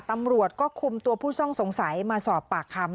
ตำรวจก็คุมตัวผู้ต้องสงสัยมาสอบปากคำ